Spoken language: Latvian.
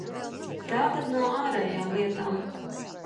Tātad – no ārējām lietām.